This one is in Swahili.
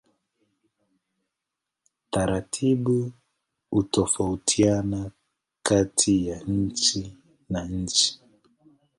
Taratibu hutofautiana kati ya nchi na nchi.